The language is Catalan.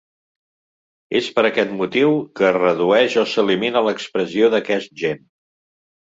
És per aquest motiu, que es redueix o s'elimina l'expressió d'aquest gen.